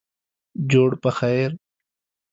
جوړ پخیر